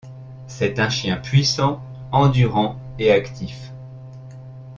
C'est un chien puissant, endurant et actif.